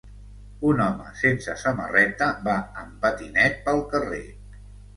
Un home sense samarreta va en patinet pel carrer